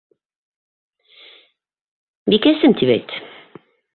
— Бикәсем, тип әйт.